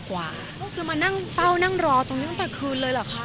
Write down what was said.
ก็คือมานั่งเฝ้านั่งรอตรงนี้ตั้งแต่คืนเลยเหรอคะ